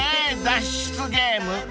脱出ゲーム］